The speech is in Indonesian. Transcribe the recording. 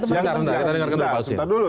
sebentar sebentar dulu